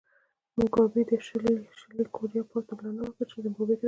موګابي د شلي کوریا پوځ ته بلنه ورکړه چې زیمبابوې ته راشي.